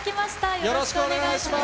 よろしくおお願いします。